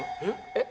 えっ？